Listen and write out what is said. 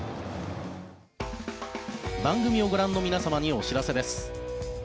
番組をご覧の皆さんにお知らせです。